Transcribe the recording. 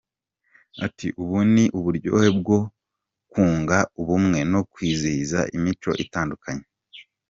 Ati “ Ubu ni uburyo bwo kunga ubumwe, no kwizihiza imico itandukanye.